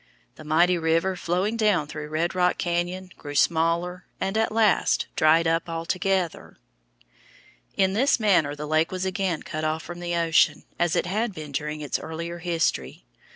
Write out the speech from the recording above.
The mighty river flowing down through Red Rock Cañon grew smaller and at last dried up altogether. In this manner the lake was again cut off from the ocean, as it had been during its earlier history.